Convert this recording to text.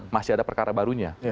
masih ada perkara barunya